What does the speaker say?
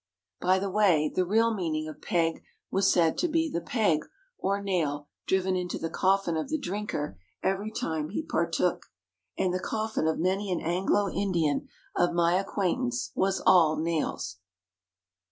By the way, the real meaning of "peg" was said to be the peg, or nail, driven into the coffin of the drinker every time he partook. And the coffin of many an Anglo Indian of my acquaintance was all nails.